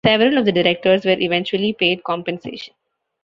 Several of the directors were eventually paid compensation.